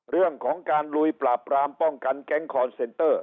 เรื่องของการลุยปราบปรามป้องกันแก๊งคอนเซนเตอร์